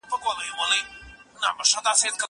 زه بايد چپنه پاک کړم!!